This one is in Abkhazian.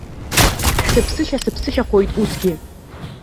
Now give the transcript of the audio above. Сыԥсышьа сыԥсышьахоит усгьы.